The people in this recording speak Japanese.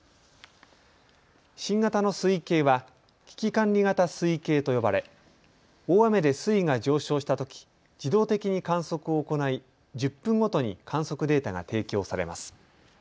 新型の水位計は危機管理型水位計と呼ばれ大雨で水位が上昇したとき自動的に観測を行い１０分ごとに観測データが提供されます。